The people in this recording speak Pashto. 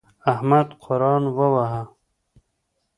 احمد قرآن وواهه.